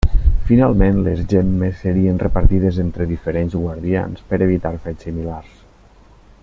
Finalment les gemmes serien repartides entre diferents guardians, per evitar fets similars.